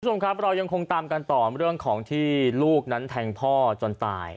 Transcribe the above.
คุณผู้ชมครับเรายังคงตามกันต่อเรื่องของที่ลูกนั้นแทงพ่อจนตาย